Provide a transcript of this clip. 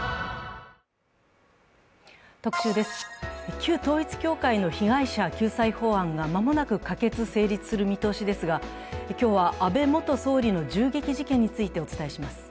旧統一教会の被害者救済法案が間もなく可決・成立する見通しですが、今日は安倍元総理の銃撃事件についてお伝えします。